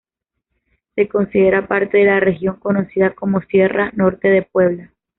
Se considera parte de la región conocida como Sierra Norte de Puebla.